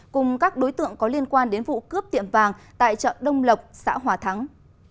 cùng các đối tượng có liên quan đến vụ cướp tiệm vàng tại chợ đông lộc xã hòa thắng